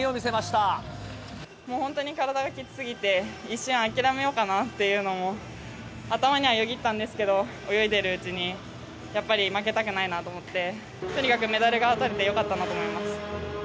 本当に体がきつすぎて、一瞬、諦めようかなっていうのも頭にはよぎったんですけど、泳いでいるうちに、やっぱり負けたくないなと思って、とにかくメダルがとれてよかったなと思います。